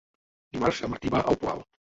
Dimarts en Martí va al Poal.